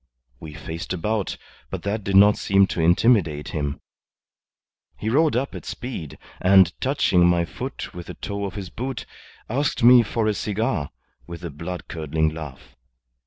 We faced about, but that did not seem to intimidate him. He rode up at speed, and touching my foot with the toe of his boot, asked me for a cigar, with a blood curdling laugh.